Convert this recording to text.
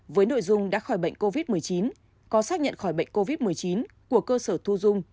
với nội dung đã khỏi bệnh covid một mươi chín có xác nhận khỏi bệnh covid một mươi chín của cơ sở thu dung